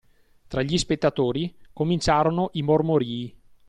Tra gli spettatori cominciarono i mormorii.